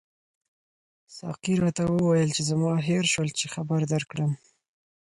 ساقي راته وویل چې زما هېر شول چې خبر درکړم.